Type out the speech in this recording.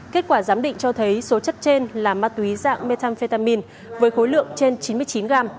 kết quả giám định cho thấy số chất trên là ma túy dạng methamphetamin với khối lượng trên chín mươi chín gram